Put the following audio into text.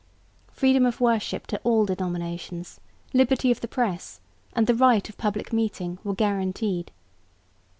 Freedom of worship to all denominations, liberty of the press and the right of public meeting were guaranteed.